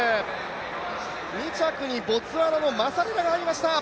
２着にボツワナのマサレラが入りました。